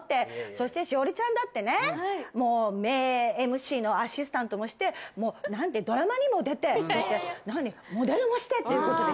そして栞里ちゃんだってねもう名ＭＣのアシスタントもしてもうドラマにも出てそしてモデルもしてっていうことでさ。